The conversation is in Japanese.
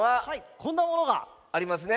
こんなものが。ありますね。